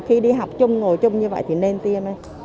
khi đi học chung ngồi chung như vậy thì nên tiêm